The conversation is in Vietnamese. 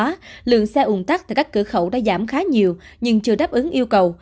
trong đó lượng xe ủn tắc tại các cửa khẩu đã giảm khá nhiều nhưng chưa đáp ứng yêu cầu